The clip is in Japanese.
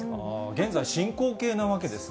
現在、進行形なわけですね。